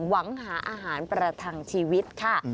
หวังหาอาหารประทังชีวิตค่ะ